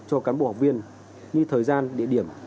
cho cán bộ học viên như thời gian địa điểm